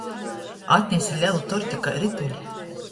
Atnese lelu torti kai rytuli.